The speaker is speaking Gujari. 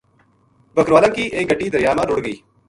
بکروالا ں کی ایک گڈی دریا ما رُڑھ گئی